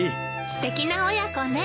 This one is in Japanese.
すてきな親子ね。